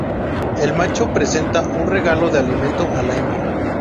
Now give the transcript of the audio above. El macho presenta un regalo de alimento a la hembra.